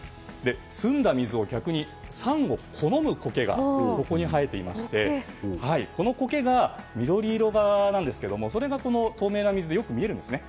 澄んだ水で逆に酸を好むコケが生えていましてこのコケが緑色なんですがそれが透明な水でよく見えるんですね。